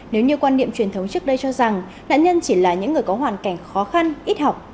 nếu như quan niệm truyền thống trước đây cho rằng nạn nhân chỉ là những người có hoàn cảnh khó khăn ít học